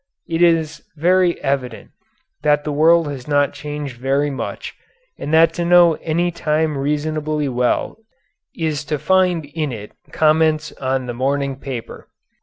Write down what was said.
It is very evident that the world has not changed very much, and that to know any time reasonably well is to find in it comments on the morning paper.